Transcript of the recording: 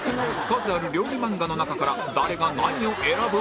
数ある料理漫画の中から誰が何を選ぶ？